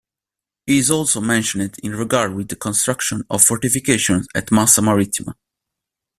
He is also mentioned in regard with the construction of fortifications at Massa Marittima.